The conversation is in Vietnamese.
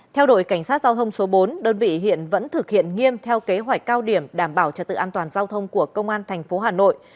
theo đội cảnh sát giao thông số bốn đơn vị hiện vẫn thực hiện nghiêm theo kế hoạch cao điểm đảm bảo trật tự an toàn giao thông của công an tp hà nội